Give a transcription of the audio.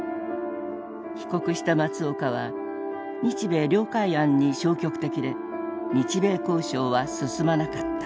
帰国した松岡は日米諒解案に消極的で日米交渉は進まなかった。